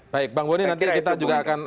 baik bang boni nanti kita juga akan